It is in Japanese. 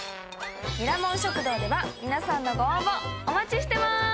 ミラモン食堂では皆さんのご応募お待ちしてます。